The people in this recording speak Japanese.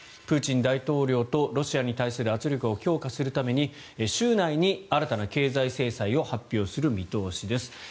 プーチン大統領とロシアに対する圧力を強化するために週内に新たな経済制裁を発表する見通しです。